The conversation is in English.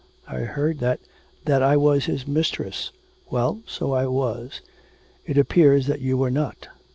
I heard that ' 'That I was his mistress. Well, so I was. It appears that you were not.